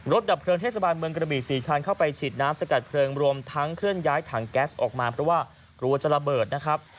ดับเพลิงเทศบาลเมืองกระบี๔คันเข้าไปฉีดน้ำสกัดเพลิงรวมทั้งเคลื่อนย้ายถังแก๊สออกมาเพราะว่ากลัวจะระเบิดนะครับ